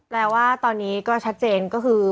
แปลว่าตอนนี้ก็ชัดเจนก็คือ